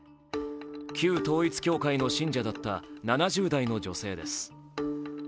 旧統一教会の信者だった７０代の女性です。